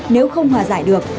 nếu không hòa giải được